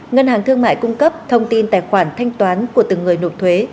ngân hàng thương mại cung cấp thông tin tài khoản thanh toán của từng người nộp thuế